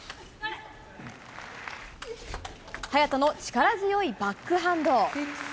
早田の力強いバックハンド。